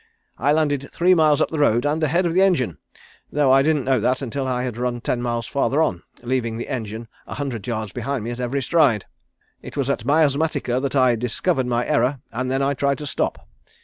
I landed three miles up the road and ahead of the engine, though I didn't know that until I had run ten miles farther on, leaving the engine a hundred yards behind me at every stride. It was at Miasmatica that I discovered my error and then I tried to stop.